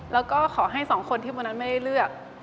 แล้วก็ขอให้๒คนที่โบนัสไม่ได้เลือก